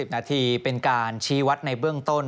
นาทีเป็นการชี้วัดในเบื้องต้น